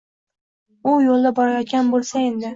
U yo‘lda borayotgan bo‘lsa edi.